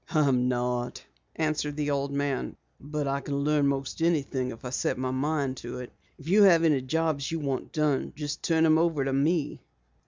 "I'm not," answered the old man, "but I can learn most anything if I set my mind to it. If you have any jobs you want done just turn them over to me."